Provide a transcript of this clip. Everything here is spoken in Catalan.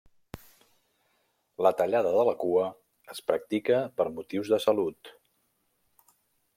La tallada de la cua es practica per motius de salut.